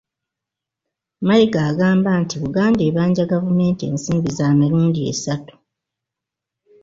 Mayiga agamba nti Buganda ebanja gavumenti ensimbi za mirundi esatu